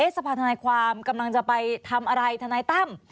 สภาธนายความกำลังจะไปทำอะไรทนายตั้ม